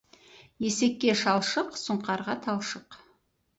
Есекке шалшық, сұңқарға талшық.